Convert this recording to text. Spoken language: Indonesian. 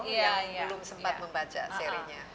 yang belum sempat membaca serinya